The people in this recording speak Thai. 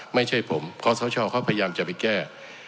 ไม่ใช่ผมเพราะเขาชอบเขาพยายามจะไปแก้